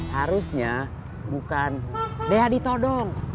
harusnya bukan dia ditodong